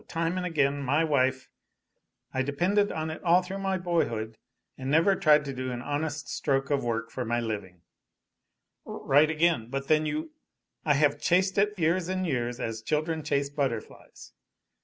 Time and again my wife " "I depended on it all through my boyhood and never tried to do an honest stroke of work for my living " "Right again but then you " "I have chased it years and years as children chase butterflies.